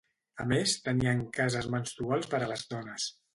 A més, tenien cases menstruals per a les dones.